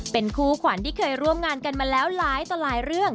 เป็นคู่ขวัญที่เคยร่วมงานกันมาแล้วหลายต่อหลายเรื่อง